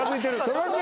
そのうち。